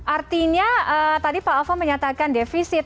artinya tadi pak alpha menyatakan defisit